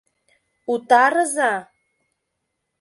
— Утарыза!